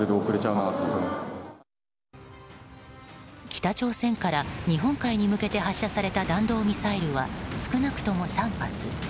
北朝鮮から日本海に向けて発射された弾道ミサイルは少なくとも３発。